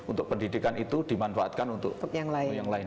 untuk pendidikan itu dimanfaatkan untuk yang lain